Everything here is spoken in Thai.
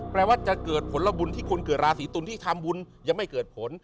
แปลว่าจะเกิดผลบุญที่คนเกิดราศีตุลที่ทำบุญยังไม่เกิดผล